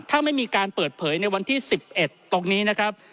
ถ้าไม่มีการเปิดเผยในวันที่๑๑ตรงนี้นะครับ